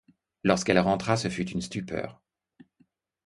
Lorsqu'elle rentra ce fut une stupeur.